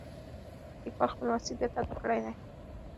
لیکوال خپل مسؤلیت ادا کړی دی.